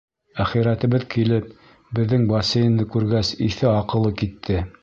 Әхирәтебеҙ килеп, беҙҙең бассейнды күргәс, иҫе-аҡылы китте.